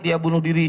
dia bunuh diri